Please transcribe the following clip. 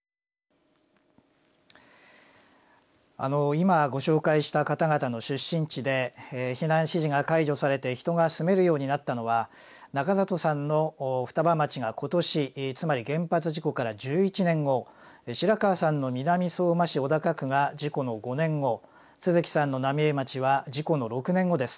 今ご紹介した方々の出身地で避難指示が解除されて人が住めるようになったのは中里さんの双葉町が今年つまり原発事故から１１年後白川さんの南相馬市小高区が事故の５年後都築さんの浪江町は事故の６年後です。